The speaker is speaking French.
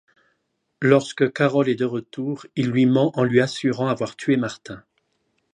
Lorsque Carol est de retour, il lui ment en lui assurant avoir tué Martin.